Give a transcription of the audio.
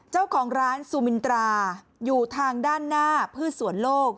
เจ้าของร้านซูมินตราอยู่ทางด้านหน้าพืชสวนโลก